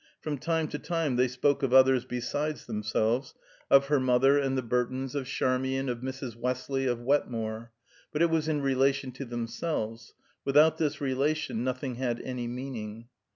From time to time they spoke of others besides themselves; of her mother and the Burtons, of Charmian, of Mrs. Westley, of Wetmore; but it was in relation to themselves; without this relation, nothing had any meaning.